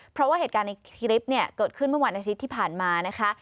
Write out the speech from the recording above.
เพราะว่าเหตุการณ์ในคลิปเนี่ยเกิดขึ้นเมื่อวันอาทิตย์ที่ผ่านมานะคะ